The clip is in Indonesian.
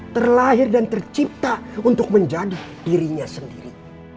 terlahir dan tercipta untuk menjadi dirinya sendiri